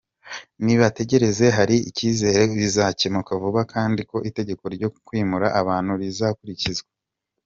Nibategereze hari icyizere ko bizakemuka vuba kandi ko itegeko ryo kwimura abantu rizakurikizwa.